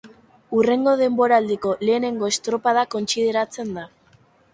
Hurrengo denboraldiko lehenengo estropada kontsideratzen da.